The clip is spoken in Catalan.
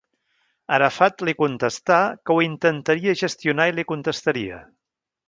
Arafat li contestà que ho intentaria gestionar i li contestaria.